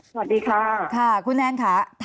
สวัสดีค่ะค่ะคุณแนนค่ะ